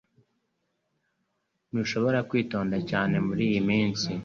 Ntushobora kwitonda cyane muriyi minsi